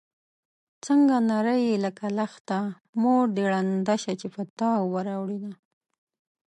څنګه نرۍ يې لکه لښته مور دې ړنده شه چې په تا اوبه راوړينه